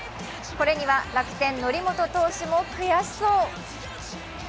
これには楽天・則本投手も悔しそう。